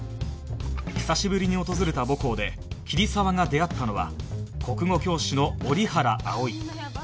久しぶりに訪れた母校で桐沢が出会ったのは国語教師の折原葵